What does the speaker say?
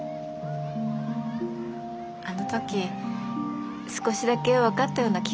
あの時少しだけ分かったような気がしたんです。